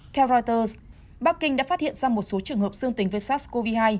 theo reuters bắc kinh đã phát hiện ra một số trường hợp dương tính với sars cov hai